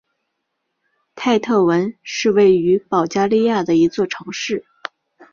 泰特文是位于保加利亚的一座城市。